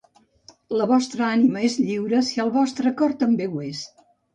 La vostra ànima és lliure si el vostre cor també ho és.